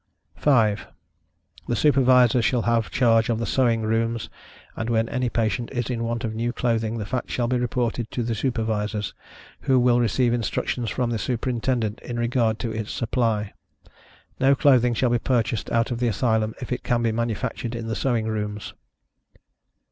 5. The Supervisors shall have charge of the sewing rooms, and when any patient is in want of new clothing the fact shall be reported to the Supervisors, who will receive instructions from the Superintendent in regard to its supply. No clothing shall be purchased out of the Asylum, if it can be manufactured in the sewing rooms.